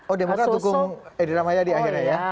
oh demokrat dukung edi ramaya di akhirnya ya